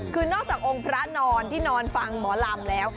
คือนอกจากองค์พระนอนที่นอนฟังหมอลำแล้ว